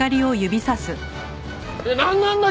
なんなんだ？